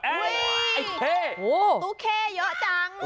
อ๊ะไอ้เท่โหตุ๊กเท่เยอะจัง